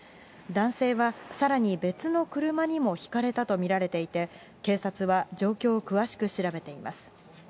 男性はさらに別の車にもひかれたと見られていて、警察は状況を詳しく調べています。